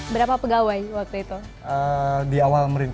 berapa pegawai waktu itu